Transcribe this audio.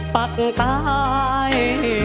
ปักตาย